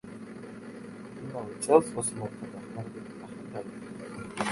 იმავე წელს ოსმალთა დახმარებით ტახტი დაიბრუნა.